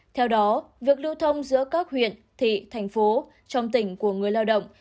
theo đó việc lưu thông giữa các huyện thị thành phố trong tỉnh của người lao động